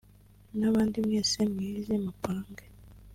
n’abandi mwese mwiyizi mupange